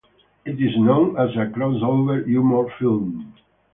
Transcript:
It is known as a crossover humor film.